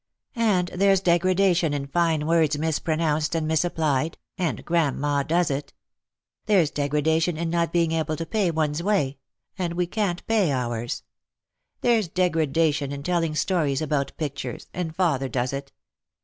And there's degradation in fine words mispronounced and mis applied; and grandma does it. There's degradation in not being able to pay one's way ; and we can't pay ours. There's degradation in telling stories about pictures; and father does it.